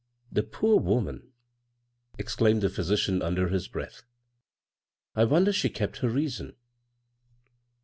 " The poor woman I " exclaimed the phy sician under his breath. " I wonder she kept her reason."